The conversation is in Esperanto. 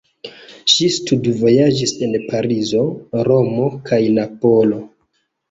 Ŝi studvojaĝis en Parizo, Romo kaj Napolo.